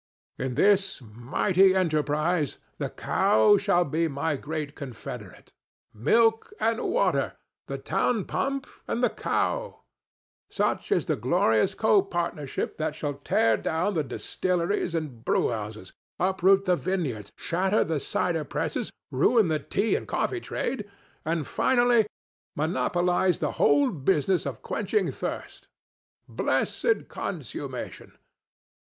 In this mighty enterprise the cow shall be my great confederate. Milk and water—the TOWN PUMP and the Cow! Such is the glorious copartnership that shall tear down the distilleries and brewhouses, uproot the vineyards, shatter the cider presses, ruin the tea and coffee trade, and finally monopolize the whole business of quenching thirst. Blessed consummation!